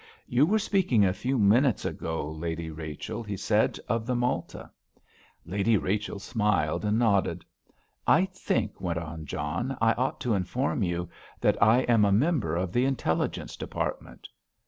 "You were speaking a few minutes ago, Lady Rachel," he said, "of the Malta." Lady Rachel smiled and nodded. "I think," went on John, "I ought to inform you that I am a member of the Intelligence Department!"